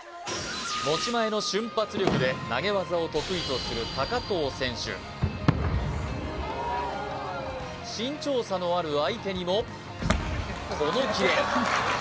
持ち前の瞬発力で投げ技を得意とする藤選手身長差のある相手にもこのキレ！